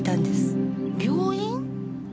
病院？